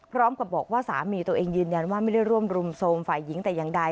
พร้อมกับบอกว่าสามีตัวเองยืนยันว่าไม่ได้ร่วมรุมโทรมฝ่ายหญิงแต่อย่างใด